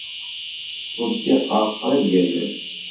Ttṣeddiqeɣ qrib yal ass.